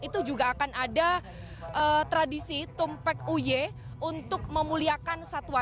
itu juga akan ada tradisi tumpek uye untuk memuliakan satwa